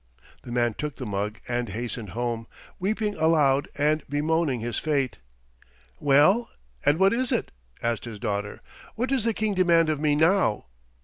The man took the mug and hastened home, weeping aloud and bemoaning his fate. "Well, and what is it?" asked his daughter. "What does the King demand of me now?"